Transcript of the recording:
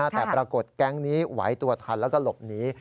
แต่ปรากฏแก๊งนี้ไหวตัวทันแล้วก็หลบหนี